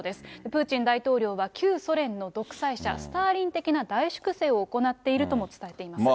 プーチン大統領は旧ソ連の独裁者、スターリン的な大粛清を行っていると伝えています。